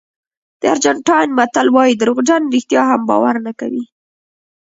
د ارجنټاین متل وایي دروغجن رښتیا هم باور نه کوي.